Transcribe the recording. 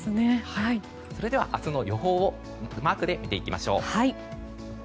それでは明日の予報をマークで見ていきましょう。